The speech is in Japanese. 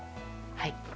はい。